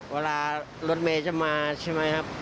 เวลารถเมย์จะมาใช่ไหมครับ